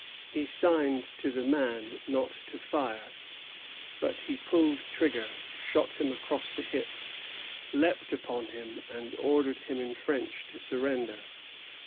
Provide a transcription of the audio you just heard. He signed to the man not to fire; but he pulled trigger, shot him across the hips, leaped upon him, and ordered him in French to surrender.